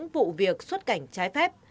bộ việc xuất cảnh trái phép